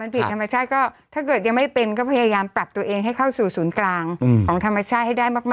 ผิดธรรมชาติก็ถ้าเกิดยังไม่เป็นก็พยายามปรับตัวเองให้เข้าสู่ศูนย์กลางของธรรมชาติให้ได้มาก